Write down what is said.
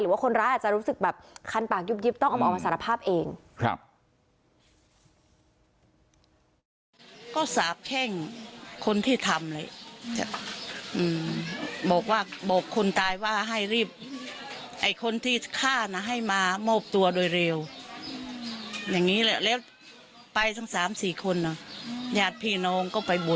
ว่าคนร้ายอาจจะรู้สึกแบบคันปากยุบต้องเอามาออกมาสารภาพเอง